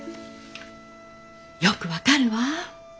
よく分かるわ。